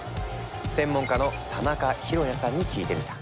専門家の田中浩也さんに聞いてみた。